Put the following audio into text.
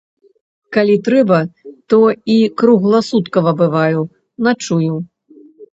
Калі трэба, то і кругласуткава бываю, начую.